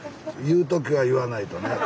言う時は言わないとね。